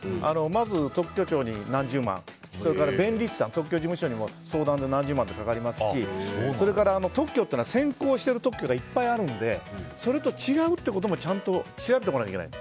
まず特許庁に何十万そして、特許事務所にも相談に何十万もかかりますし特許というのは先行している特許がいっぱいあるのでそれと違うということもちゃんと調べていかないといけない。